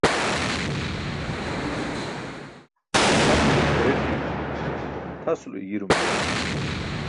Kʰapuyo kʰareṭi̇ tʰasulo i̇girum juwan.